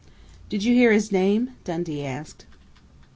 "Did you hear his name?" Dundee asked.